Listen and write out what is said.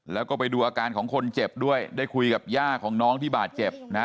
แล้วก็ไปดูอาการของคนเจ็บด้วยได้คุยกับย่าของน้องที่บาดเจ็บนะ